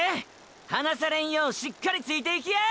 離されんようしっかりついていきや！！